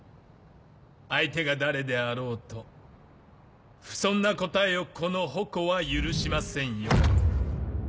相手が誰であろうと不遜な答えをこの矛は許しませんよ。